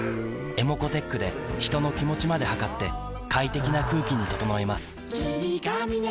ｅｍｏｃｏーｔｅｃｈで人の気持ちまで測って快適な空気に整えます